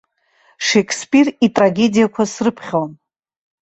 Шеқспир итрагедиақәа срыԥхьон.